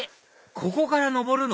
ここから上るの？